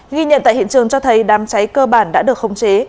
ghi nhận tại hiện trường cho thấy đám cháy cơ bản đã được khống chế